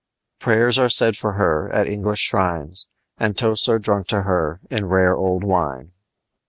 Prayers are said for her at English shrines, and toasts are drunk to her in rare old wine.